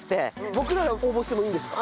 僕らが応募してもいいんですか？